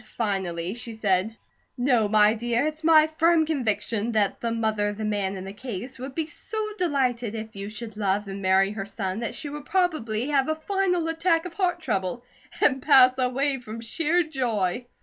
Finally she said: "No, my dear. It's my firm conviction that the mother of the man in the case would be so delighted if you should love and marry her son that she would probably have a final attack of heart trouble and pass away from sheer joy."